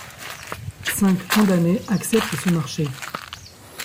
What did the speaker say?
Cinq condamnés acceptent ce marché.